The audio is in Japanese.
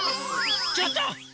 ちょっと！